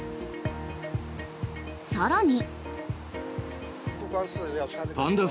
更に。